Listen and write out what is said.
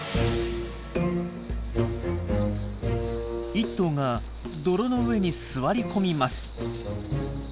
１頭が泥の上に座り込みます。